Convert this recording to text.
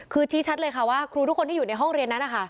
คือชี้ชัดเลยค่ะว่าครูทุกคนที่อยู่ในห้องเรียนนั้นนะคะ